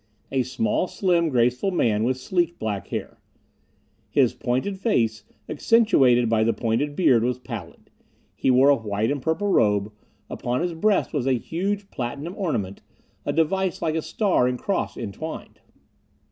A small, slim, graceful man, with sleek black hair. His pointed face, accentuated by the pointed beard, was pallid. He wore a white and purple robe; upon his breast was a huge platinum ornament, a device like a star and cross entwined.